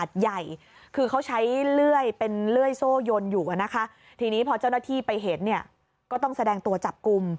เจ้าหน้าที่ไปเห็นก็ต้องแสดงตัวจับกลุ่ม